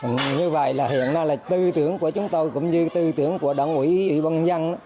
vâng như vậy là hiện nay là tư tưởng của chúng tôi cũng như tư tưởng của đảng ủy băng dân